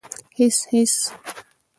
_هېڅ ، هېڅ.